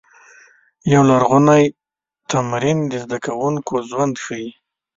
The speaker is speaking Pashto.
یو لرغونی تمرین د زده کوونکو ژوند ښيي.